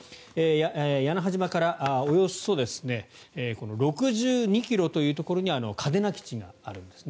屋那覇島からおよそ６２ｋｍというところに嘉手納基地があるんですね。